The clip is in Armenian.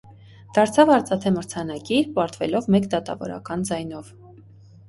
Դարձավ արծաթե մրցանակիր՝ պարտվելով մեկ դատավորական ձայնով։